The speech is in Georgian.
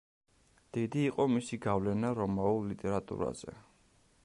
დიდი იყო მისი გავლენა რომაულ ლიტერატურაზე.